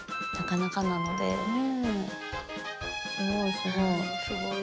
すごいすごい。